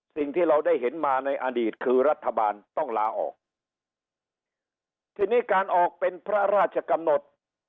สิ่งที่เราได้เห็นมาในอดีตคือรัฐบาลต้องลาออกทีนี้การออกเป็นพระราชกำหนด